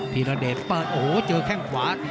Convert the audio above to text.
ีรเดชเปิดโอ้โหเจอแข้งขวา